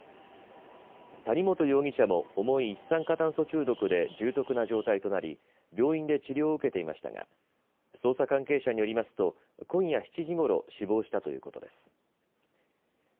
谷本容疑者も重い一酸化炭素中毒で重篤な状態となり病院で治療を受けていましたが捜査関係者によりますと今夜７時ごろ死亡したということです。